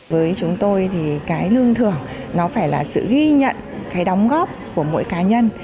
với chúng tôi thì cái lương thưởng nó phải là sự ghi nhận cái đóng góp của mỗi cá nhân